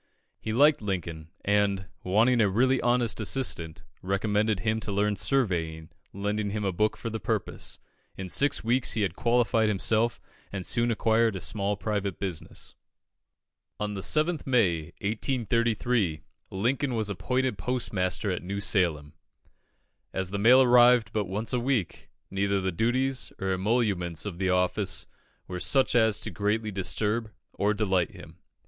He liked Lincoln, and, wanting a really honest assistant, recommended him to learn surveying, lending him a book for the purpose. In six weeks he had qualified himself, and soon acquired a small private business. On the 7th May, 1833, Lincoln was appointed postmaster at New Salem. As the mail arrived but once a week, neither the duties nor emoluments of the office were such as to greatly disturb or delight him.